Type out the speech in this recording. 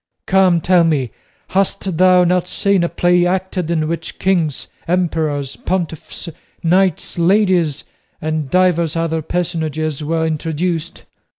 Come, tell me, hast thou not seen a play acted in which kings, emperors, pontiffs, knights, ladies, and divers other personages were introduced?